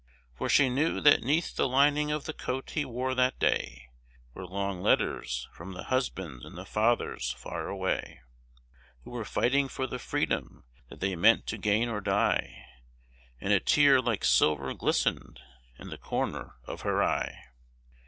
For she knew that 'neath the lining of the coat he wore that day, Were long letters from the husbands and the fathers far away, Who were fighting for the freedom that they meant to gain or die; And a tear like silver glistened in the corner of her eye.